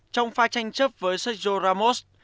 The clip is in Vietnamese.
trong pha tranh chấp với sergio ramos